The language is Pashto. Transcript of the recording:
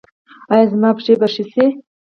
ایا زما پښې به ښې شي؟